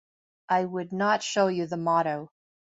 I would not show you the motto.